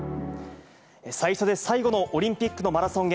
最初で最後のオリンピックのマラソンへ。